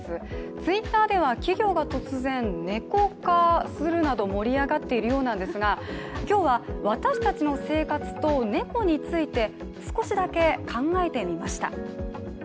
Ｔｗｉｔｔｅｒでは企業が突然、猫化するなど盛り上がっていますが今日は私たちの生活と猫について少しだけ考えてみました。